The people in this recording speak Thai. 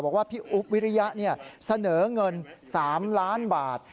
บอกว่าพี่อุ๊บวิริยะเนี่ยเสนอเงินสามล้านบาท